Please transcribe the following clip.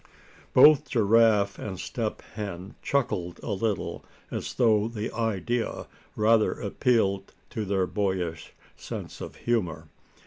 Both Giraffe and Step Hen chuckled a little, as though the idea rather appealed to their boyish sense of humor.